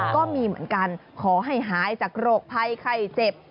ก็มีเหมือนกันขอให้หายจากโรคภัยไข้เจ็บ